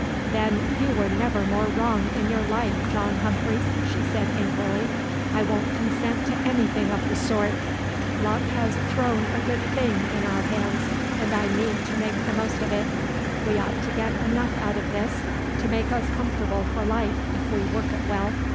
"Then you were never more wrong in your life, John Humphreys!" she said angrily; "I won't consent to anything of the sort. Luck has thrown a good thing in our hands, and I mean to make the most of it. We ought to get enough out of this to make us comfortable for life if we work it well.